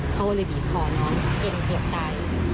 เขาเลยบีบคอน้องจนเกือบตาย